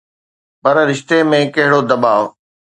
پر رشتي ۾ ڪهڙو دٻاءُ؟